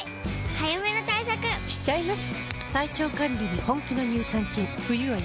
早めの対策しちゃいます。